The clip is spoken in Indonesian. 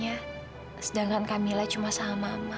baru dia built fuang